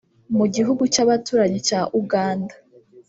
Mu gihugu cy’abaturanyi cya Uganda